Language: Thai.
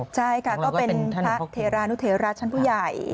ใช่ค่ะก็เป็นพระเทรานุเทราชั้นผู้ใหญ่